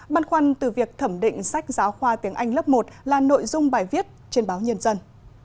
băn khoăn từ việc thẩm định sách giáo khoa tiếng anh lớp một là nội dung bài viết trên báo nhân dân